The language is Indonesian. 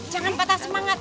jangan patah semangat